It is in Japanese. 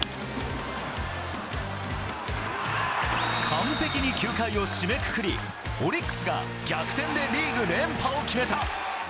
完璧に９回を締めくくり、オリックスが逆転でリーグ連覇を決めた。